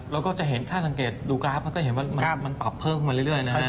เราก็จะเห็นถ้าสังเกตดูกราฟมันก็เห็นว่ามันปรับเพิ่มขึ้นมาเรื่อยนะฮะ